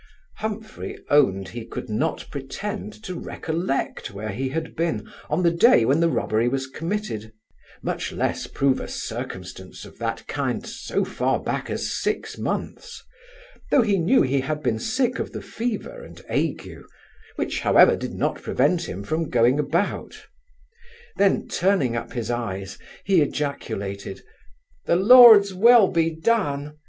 Humphry owned he could not pretend to recollect where he had been on the day when the robbery was committed, much less prove a circumstance of that kind so far back as six months, though he knew he had been sick of the fever and ague, which, however, did not prevent him from going about then, turning up his eyes, he ejaculated, 'The Lord's will be done!